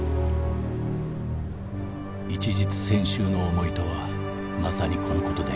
「一日千秋の思いとはまさにこのことである。